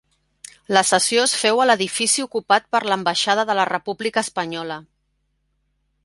La sessió es féu a l'edifici ocupat per l'ambaixada de la República Espanyola.